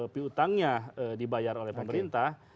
pihutangnya dibayar oleh pemerintah